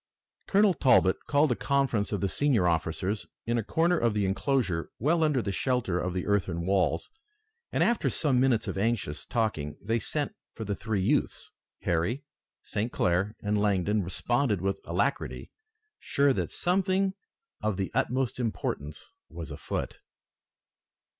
Colonel Talbot called a conference of the senior officers in a corner of the enclosure well under the shelter of the earthen walls, and after some minutes of anxious talking they sent for the three youths. Harry, St. Clair and Langdon responded with alacrity, sure that something of the utmost importance was afoot.